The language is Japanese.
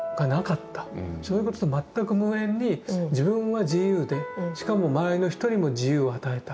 そういうことと全く無縁に自分は自由でしかも周りの人にも自由を与えた。